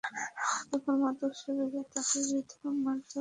তখন মাদকসেবীরা তাঁকে বেধড়ক মারধর করে এবং তাঁর মুঠোফোনটি কেড়ে নেয়।